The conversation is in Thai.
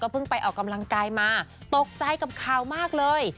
เพิ่งไปออกกำลังกายมาตกใจกับข่าวมากเลย